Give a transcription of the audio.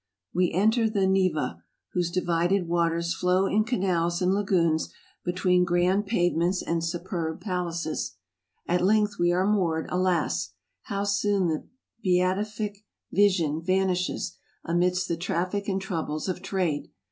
We enter the Neva, whose divided waters flow in canals and lagoons between grand pavements and superb palaces. 234 EUROPE 235 At length we are moored — alas! how soon the beatific vision vanishes! — amidst the traffic and troubles of trade.